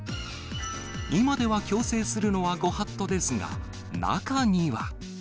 今では強制するのはご法度ですが、中には。